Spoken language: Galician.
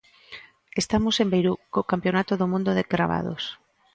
Estamos en Beirut, co campionato do mundo de cravados.